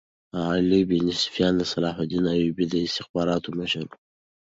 علي بن سفیان د صلاح الدین ایوبي د استخباراتو مشر وو.